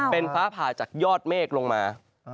เป็นฟ้าผ่าจากยอดเมฆลงมา